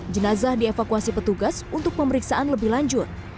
jenazah dievakuasi petugas untuk pemeriksaan lebih lanjut